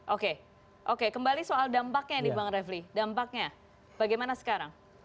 oke oke kembali soal dampaknya nih bang refli dampaknya bagaimana sekarang